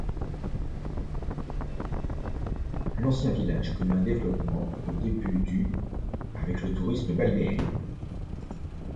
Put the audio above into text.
L'ancien village connaît un développement au début du avec le tourisme balnéaire.